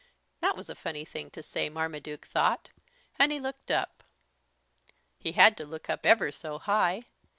That was a funny thing to say, Marmaduke thought, and he looked up. He had to look up ever so high.